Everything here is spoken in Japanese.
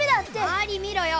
周り見ろよ！